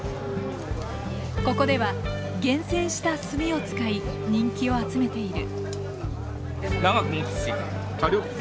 ここでは厳選した炭を使い人気を集めている。